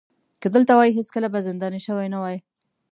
که دلته وای هېڅکله به زنداني شوی نه وای.